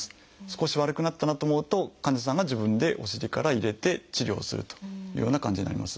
少し悪くなったなと思うと患者さんが自分でお尻から入れて治療をするというような感じになります。